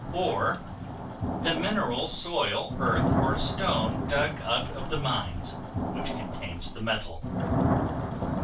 Ore, the mineral soil, earth, or stone dug out of the mines, which contains the metal.